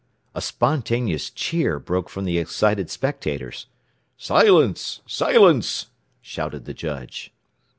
A spontaneous cheer broke from the excited spectators. "Silence! Silence!" shouted the judge.